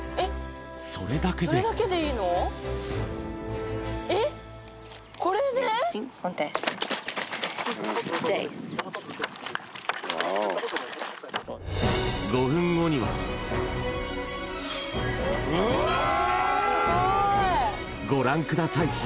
それだけで５分後にはご覧ください